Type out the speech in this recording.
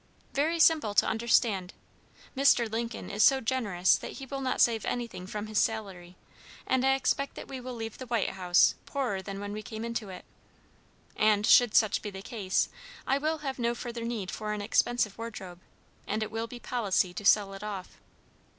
"Very simple to understand. Mr. Lincoln is so generous that he will not save anything from his salary, and I expect that we will leave the White House poorer than when we came into it; and should such be the case, I will have no further need for an expensive wardrobe, and it will be policy to sell it off."